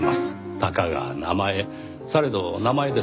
たかが名前されど名前です。